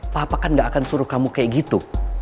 papa kan gak akan suruh kamu kayak gitu